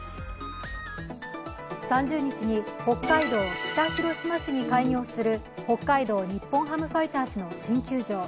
３０日に北海道北広島市に開業する北海道日本ハムファイターズの新球場。